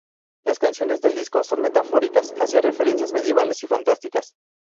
Las canciones del disco son metafóricas hacia referencias medievales y fantásticas.